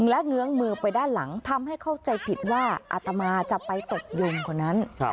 และเงื้องมือไปด้านหลังทำให้เข้าใจผิดว่าอาตมาจะไปตบโยมคนนั้น